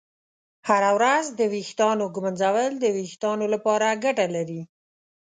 هره ورځ د ویښتانو ږمنځول د ویښتانو لپاره ګټه لري.